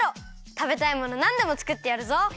たべたいものなんでもつくってやるぞ。